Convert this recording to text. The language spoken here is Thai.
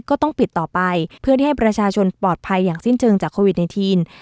ก็ต้องปิดต่อไปเพื่อที่ให้ประชาชนปลอดภัยอย่างสิ้นเชิงจากโควิด๑๙